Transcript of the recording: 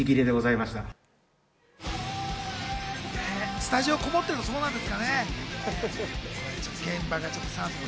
スタジオにこもってるいとそうなんですかね？